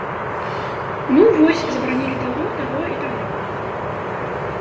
Ну, вось, забаранілі таго, таго і таго.